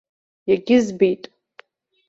Иагьызбеит.